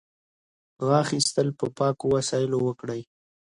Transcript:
غاښ ایستل په پاکو وسایلو وکړئ.